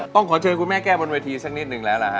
ต้องขอเชิญคุณแม่แก้บนเวทีสักนิดนึงแล้วล่ะฮ